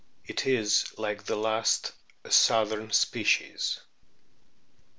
It is, like the last, a southern species.